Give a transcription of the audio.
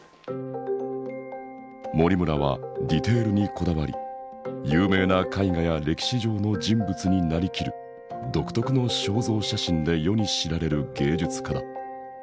森村はディテールにこだわり有名な絵画や歴史上の人物に成りきる独特の肖像写真で世に知られる芸術家だ。